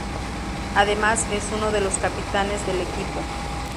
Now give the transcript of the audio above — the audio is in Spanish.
Además es uno de los capitanes del equipo.